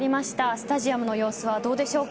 スタジアムの様子はどうでしょうか。